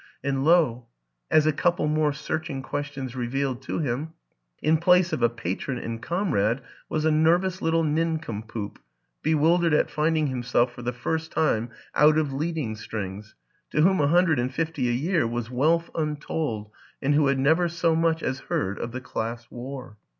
And lo ! as a couple more searching questions revealed to him in place of a patron and com rade was a nervous little nincompoop, bewildered at finding himself for the first time out of leading strings, to whom a hundred and fifty a year was wealth untold and who had never so much as heard of the Class War